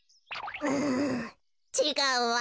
うんちがうわ。